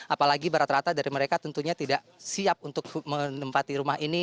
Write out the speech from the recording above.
apalagi berat rata rata dari mereka tentunya tidak siap untuk menempati rumah ini